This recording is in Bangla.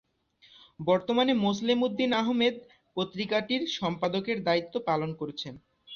বর্তমানে মোসলেম উদ্দিন আহমেদ পত্রিকাটির সম্পাদকের দায়িত্ব পালন করছেন।